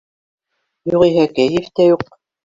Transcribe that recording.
Юғиһә, кәйеф тә юҡ.